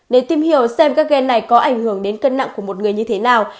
để tìm hiểu xem các ghen này có ảnh hưởng đến cân nặng của một người như thế nào